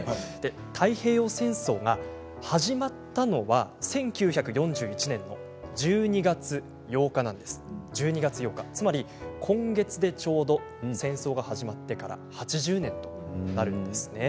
太平洋戦争が始まったのは１９４１年の１２月８日つまり今月でちょうど戦争が始まってから８０年になります。